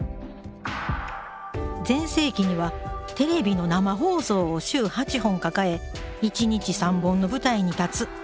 全盛期にはテレビの生放送を週８本抱え一日３本の舞台に立つ。